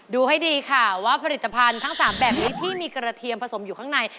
ดูให้ดีค่ะว่าผลิตภัณฑ์ทั้ง๓แบบนี้ที่มีกระเทียมผสมอยู่ข้างใน